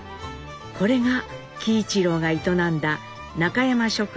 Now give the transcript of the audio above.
これが喜一郎が営んだ中山食品本店でした。